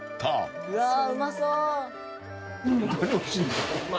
うわーうまそう！